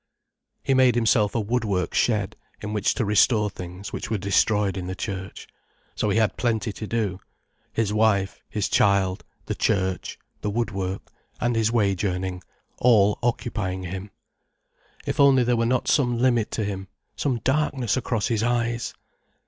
He made himself a woodwork shed, in which to restore things which were destroyed in the church. So he had plenty to do: his wife, his child, the church, the woodwork, and his wage earning, all occupying him. If only there were not some limit to him, some darkness across his eyes!